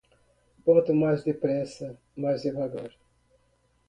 Quanto mais depressa, mais devagar.